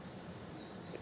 agar rumah sakit